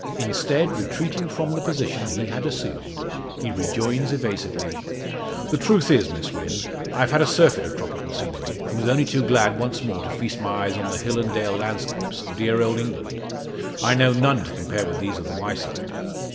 Instead, retreating from the position he had assumed, he rejoins evasively: "The truth is, Miss Wynn, I've had a surfeit of tropical scenery, and was only too glad once more to feast my eyes on the hill and dale landscapes of dear old England. I know none to compare with these of the Wyeside."